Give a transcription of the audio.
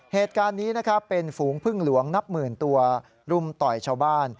เหตุการณ์นี้นะครับเป็นฝูงพึ่งหลวงนับหมื่นตัวรุมต่อยชาวบ้าน